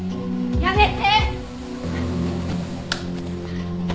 やめて！